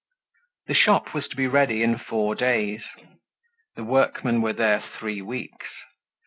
The shop was to be ready in four days. The workmen were there three weeks.